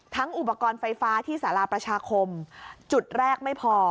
อุปกรณ์ไฟฟ้าที่สาราประชาคมจุดแรกไม่พอ